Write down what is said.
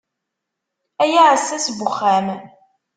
Ay aɛessas n uxxam.